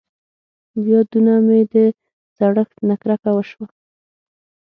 بيا دونه مې د زړښت نه کرکه وشوه.